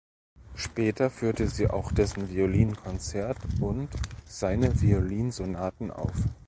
Später führte sie auch dessen Violinkonzert und seine Violinsonaten auf.